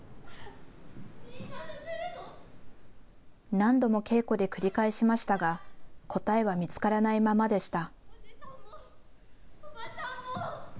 何度も稽古で繰り返しましたが答えは見つからないままでした。